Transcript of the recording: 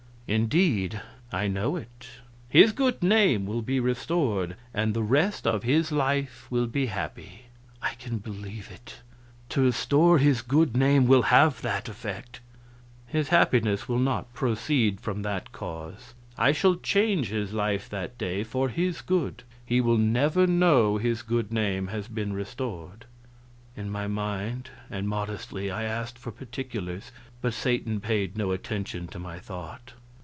"Indeed, I know it. His good name will be restored, and the rest of his life will be happy." "I can believe it. To restore his good name will have that effect." "His happiness will not proceed from that cause. I shall change his life that day, for his good. He will never know his good name has been restored." In my mind and modestly I asked for particulars, but Satan paid no attention to my thought.